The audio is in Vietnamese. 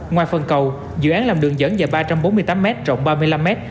ngoài phần cầu dự án làm đường dẫn dài ba trăm bốn mươi tám m rộng ba mươi năm m